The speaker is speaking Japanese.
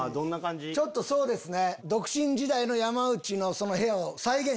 ちょっとそうですね。